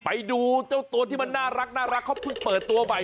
ไปดูเจ้าตัวที่มันน่ารักเขาเพิ่งเปิดตัวใหม่